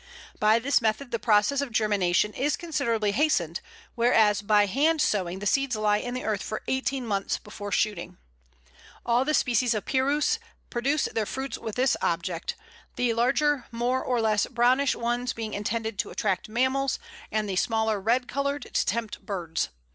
By this method the process of germination is considerably hastened, whereas by hand sowing the seeds lie in the earth for eighteen months before shooting. All the species of Pyrus produce their fruits with this object, the larger more or less brownish ones being intended to attract mammals, the smaller and red coloured to tempt birds.